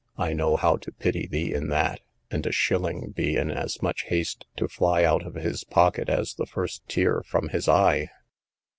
I know how to pity thee in that; and a shilling be in as much haste to fly out of his pocket as the first tear from his eye.